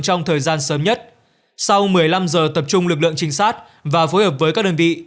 trong thời gian sớm nhất sau một mươi năm giờ tập trung lực lượng trinh sát và phối hợp với các đơn vị